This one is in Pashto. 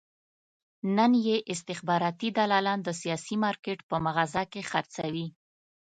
نن یې استخباراتي دلالان د سیاسي مارکېټ په مغازه کې خرڅوي.